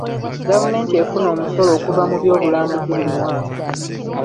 Gavumenti efuna omusolo okuva mu byobulambuzi buli mwaka.